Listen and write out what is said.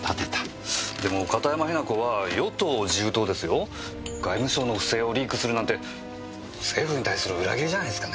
でも片山雛子は与党自友党ですよ。外務省の不正をリークするなんて政府に対する裏切りじゃないですかね。